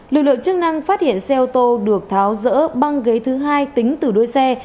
lực lượng chức năng phát hiện xe ô tô được tháo rỡ băng ghế thứ hai tính từ đuôi xe